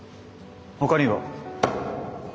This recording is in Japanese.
ほかには？